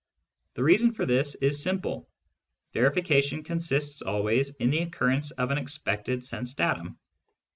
The reason for this is simple. Verification con sists always in the occurrence of an expected sense datum.